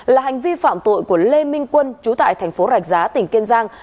là hành vi phạm tội của lê minh quân chú tại thành phố rạch giá tỉnh kiên giang